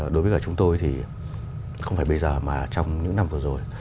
đối với cả chúng tôi thì không phải bây giờ mà trong những năm vừa rồi